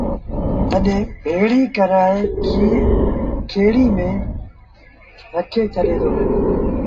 تڏهيݩ ڀيڙي ڪرآئي کري ميݩ رکي ڇڏي دو